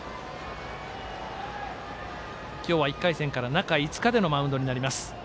今日は１回戦から中５日でのマウンドになります。